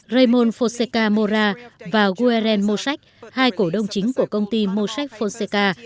raymond fonseca mora và gueren mosek hai cổ đông chính của công ty mosek fonseca